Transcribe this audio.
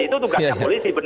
itu tugasnya polisi